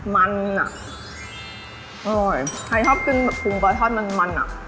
มันอะอร่อยใครชอบกินแบบฟรรดต์มันมันอ่ะ